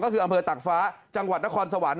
ก็คืออำเภอตากฟ้าจังหวัดนครสวรรค์